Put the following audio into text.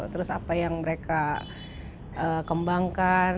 terus apa yang mereka kembangkan